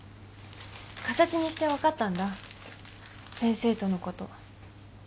形にして分かったんだ先生とのこと。